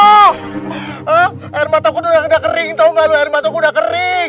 hah air mataku udah kering tau gak lu air mataku udah kering